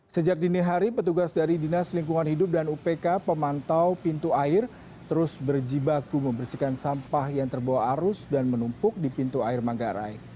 sejak dini hari petugas dari dinas lingkungan hidup dan upk pemantau pintu air terus berjibaku membersihkan sampah yang terbawa arus dan menumpuk di pintu air manggarai